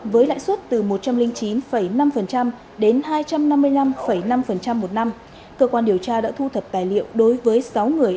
với lãi suất từ một trăm linh chín năm đến hai trăm năm mươi năm năm một năm cơ quan điều tra đã thu thập tài liệu đối với sáu người